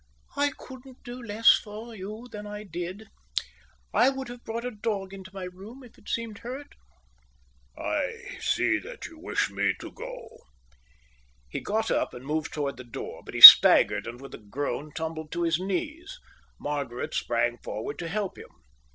"I couldn't do any less for you than I did. I would have brought a dog into my room if it seemed hurt." "I see that you wish me to go." He got up and moved towards the door, but he staggered and with a groan tumbled to his knees. Margaret sprang forward to help him.